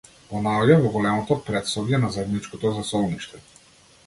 Го наоѓа во големото претсобје на заедничкото засолниште.